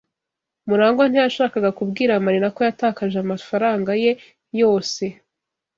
MuragwA ntiyashakaga kubwira Marina ko yatakaje amafaranga ye yose.